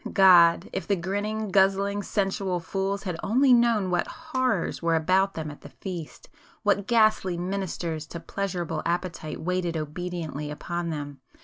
God!—if the grinning, guzzling sensual fools had only known what horrors were about them at the feast!—what ghastly ministers to pleasurable appetite waited obediently upon them!